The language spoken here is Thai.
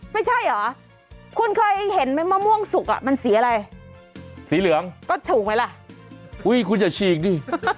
ไม่ใช่เหรอคุณเคยเห็นไหมมะม่วงสุกอ่ะมันสีอะไรสีเหลืองก็ถูกไหมล่ะอุ้ยคุณอย่าฉีกดิ